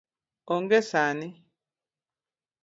Onge sani